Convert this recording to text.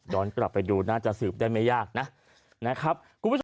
ย้อนกลับไปดูน่าจะสืบได้ไม่ยากนะครับ